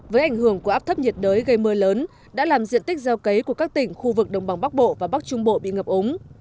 với ảnh hưởng của áp thấp nhiệt đới gây mưa lớn đã làm diện tích gieo cấy của các tỉnh khu vực đồng bằng bắc bộ và bắc trung bộ bị ngập ống